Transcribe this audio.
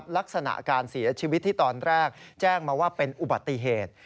ลักษณะการเสียชีวิตที่ตอนแรกแจ้งมาว่าเป็นอุบัติเหตุ